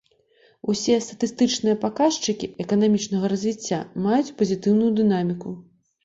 Усе статыстычныя паказчыкі эканамічнага развіцця маюць пазітыўную дынаміку.